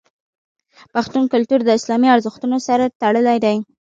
پښتون کلتور د اسلامي ارزښتونو سره تړلی دی.